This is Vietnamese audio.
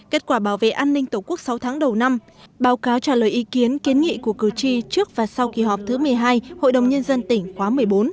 kết quả bảo vệ an ninh tổ quốc sáu tháng đầu năm báo cáo trả lời ý kiến kiến nghị của cử tri trước và sau kỳ họp thứ một mươi hai hội đồng nhân dân tỉnh khóa một mươi bốn